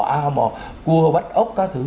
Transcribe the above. áo mò cua bắt ốc các thứ